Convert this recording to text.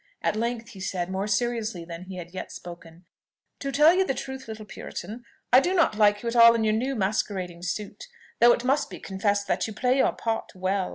At length he said, more seriously than he had yet spoken, "To tell you the truth, little puritan, I do not like you at all in your new masquerading suit: though it must be confessed that you play your part well.